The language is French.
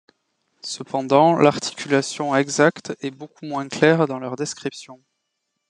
Cependant l'articulation exacte est beaucoup moins claire dans leur description.